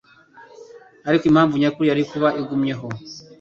ariko impamvu nyakuri yari kuba igumyeho.